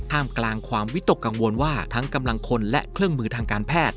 มกลางความวิตกกังวลว่าทั้งกำลังคนและเครื่องมือทางการแพทย์